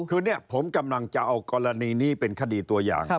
คือเนี่ยผมกำลังจะเอากรณีนี้เป็นคดีตัวอย่าง